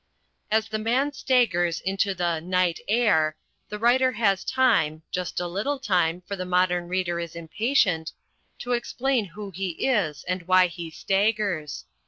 As The Man staggers into the "night air," the writer has time just a little time, for the modern reader is impatient to explain who he is and why he staggers.